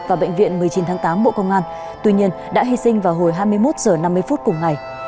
và bệnh viện một mươi chín tháng tám bộ công an tuy nhiên đã hy sinh vào hồi hai mươi một h năm mươi phút cùng ngày